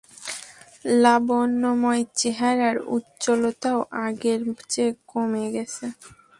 লাবণ্যময় চেহারার উজ্জ্বলতাও আগের চেয়ে কমে গেছে।